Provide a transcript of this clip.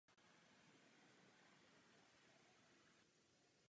Byla ale také velmi chytrá a inteligentní.